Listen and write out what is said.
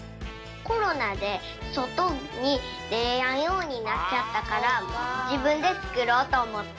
コロナでそとにでれやんようになっちゃったからじぶんでつくろうとおもった。